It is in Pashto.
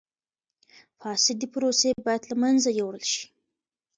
فاسدی پروسې باید له منځه یوړل شي.